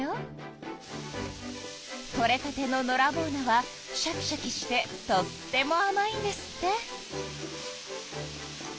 取れたてののらぼう菜はシャキシャキしてとってもあまいんですって。